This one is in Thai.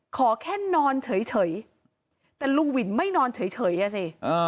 ขอแค่นอนเฉยแต่ลุงวินไม่นอนเฉยอ่ะสิ